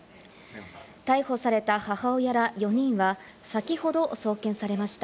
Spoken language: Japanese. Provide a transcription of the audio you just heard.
逮捕された母親ら４人は、先ほど送検されました。